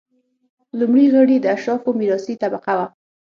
لومړي غړي د اشرافو میراثي طبقه وه.